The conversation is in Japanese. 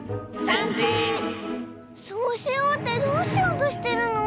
そうしようってどうしようとしてるの？